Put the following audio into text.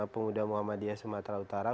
pemuda muhammadiyah sumatera utara